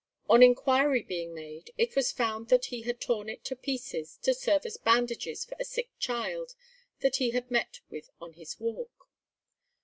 On inquiry being made, it was found that he had torn it into pieces to serve as bandages for a sick child that he had met with on his walk.